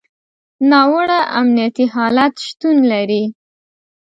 ناوړه امنیتي حالت شتون لري.